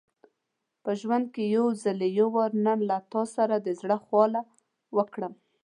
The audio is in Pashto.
په ژوند کې یوازې یو وار نن له تا سره د زړه خواله وکړم.